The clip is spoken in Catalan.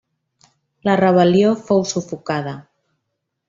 La rebel·lió fou sufocada.